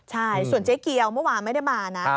ใช่ส่วนเจ๊เกียวเมื่อวานไม่ได้มานะ